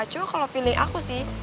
cuma kalau feeling aku sih